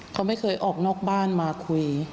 เขาไม่เคยออกนอกบ้านมาคุย